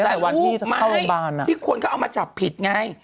แต่ลูกไม่ที่ควรเขาเอามาจับผิดไง